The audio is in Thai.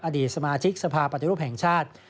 อดีตสมาชิกสภาปฏิรูปแห่งชาติ